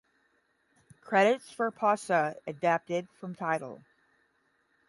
Credits for "Pausa" adapted from Tidal.